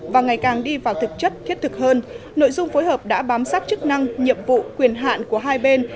và ngày càng đi vào thực chất thiết thực hơn nội dung phối hợp đã bám sát chức năng nhiệm vụ quyền hạn của hai bên